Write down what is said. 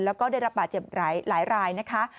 แล้วก็ได้รับบาดเจ็บหลายรายนะคะ